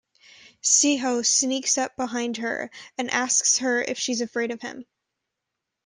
Siho sneaks up behind her and asks her if she is afraid of him.